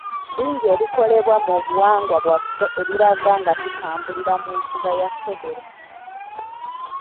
Bingi ebikolebwa mu buwangwa bwaffe ebiraga nga tutambulira mu nfuga ya Federo.